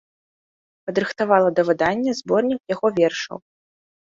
Падрыхтавала да выдання зборнік яго вершаў.